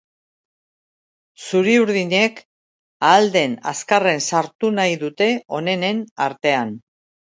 Zuri-urdinek ahal den azkarren sartu nahi dute onenen artean.